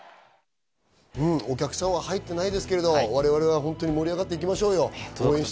お客さんは入っていないですけれども我々は盛り上がっていきましょうよ。